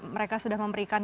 mereka sudah memberikan